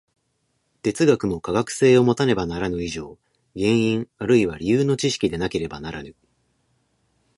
哲学も科学性をもたねばならぬ以上、原因あるいは理由の知識でなければならぬ。